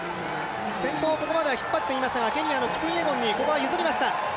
先頭、ここまでは引っ張っていましたがケニアのキプイエゴンにここは譲りました。